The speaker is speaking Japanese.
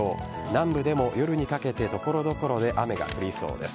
南部でも夜にかけて所々で雨が降りそうです。